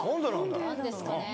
何ですかね？